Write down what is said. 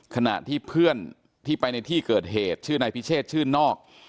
ขณะที่เพื่อนที่ไปในที่เกิดเหตุชื่อนายพิเชษชื่นนอก